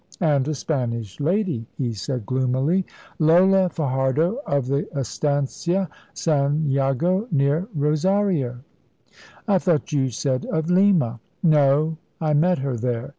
"And a Spanish lady," he said, gloomily. "Lola Fajardo, of the Estancia, San Jago, near Rosario." "I thought you said of Lima?" "No; I met her there.